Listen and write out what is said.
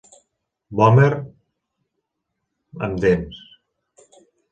Vòmer amb dents.